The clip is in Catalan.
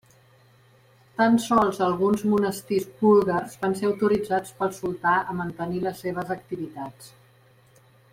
Tan sols alguns monestirs búlgars van ser autoritzats pel sultà a mantenir les seves activitats.